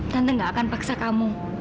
tante gak akan paksa kamu